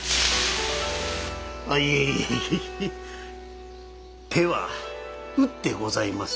いえいえ手は打ってございます